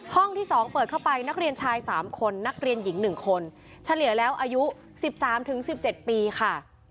ห้องที่สองเปิดเข้าไปนักเรียนชายสามคนนักเรียนหญิงหนึ่งคนเฉลี่ยแล้วอายุสิบสามถึงสิบเจ็ดปีค่ะ